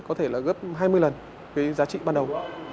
có thể là gấp hai mươi lần cái giá trị ban đầu